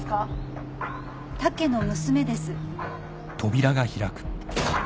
武の娘です。